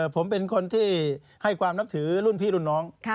ผมเป็นคนที่ให้ความนับถือรุ่นพี่รุ่นน้อง